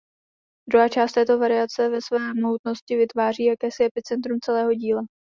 Druhá část této variace ve své mohutnosti vytváří jakési epicentrum celého díla.